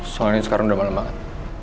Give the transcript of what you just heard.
soalnya sekarang udah malem banget